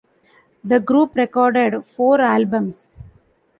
The group recorded four albums.